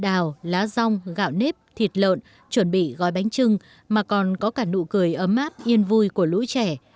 đào lá rong gạo nếp thịt lợn chuẩn bị gói bánh trưng mà còn có cả nụ cười ấm áp yên vui của lũ trẻ